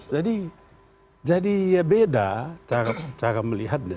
jadi jadi ya beda cara melihatnya